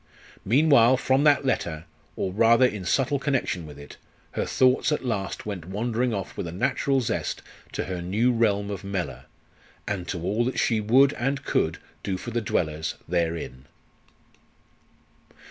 Meanwhile, from that letter, or rather in subtle connection with it, her thoughts at last went wandering off with a natural zest to her new realm of Mellor, and to all that she would and could do for the dwellers therein.